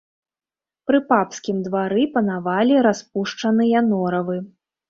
Пры папскім двары панавалі распушчаныя норавы.